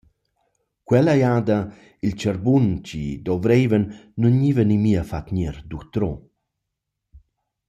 Quella jada il charbun chi dovraivan nu gniva nimia fat gnir d’utrò.